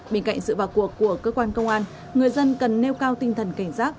bên cạnh sự vào cuộc của cơ quan công an người dân cần nêu cao tinh thần cảnh giác